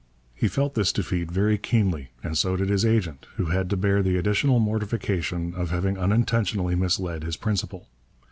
He felt this defeat very keenly, and so did his agent, who had to bear the additional mortification of having unintentionally misled his principal.